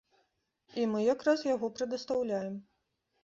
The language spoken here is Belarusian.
І мы якраз яго прадастаўляем.